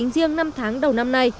riêng năm tháng đầu năm nay